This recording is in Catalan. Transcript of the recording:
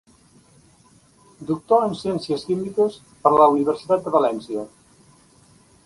Doctor en Ciències Químiques per la Universitat de València.